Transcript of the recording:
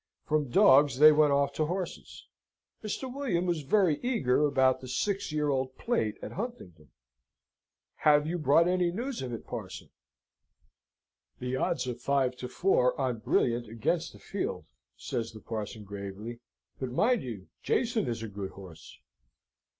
From dogs they went off to horses. Mr. William was very eager about the Six Year Old Plate at Huntingdon. "Have you brought any news of it, Parson?" "The odds are five to four on Brilliant against the field," says the parson, gravely, "but, mind you, Jason is a good horse."